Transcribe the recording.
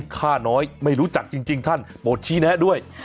ค่าน้อยไม่รู้จักจริงท่านโปรดชี้แนะด้วย